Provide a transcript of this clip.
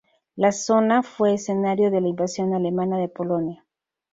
La zona fue escenario de la invasión alemana de Polonia.